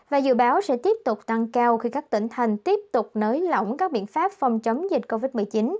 và dự báo sẽ tiếp tục tăng cao khi các tỉnh thành tiếp tục nới lỏng các biện pháp phòng chống dịch covid một mươi chín